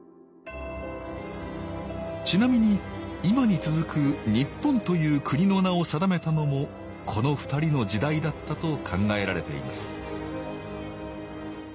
ちなみに今に続く「日本」という国の名を定めたのもこの２人の時代だったと考えられています